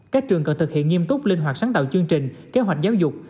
các trường cần thực hiện nghiêm túc linh hoạt sáng tạo chương trình kế hoạch giáo dục